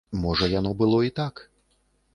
Можа яно было і так.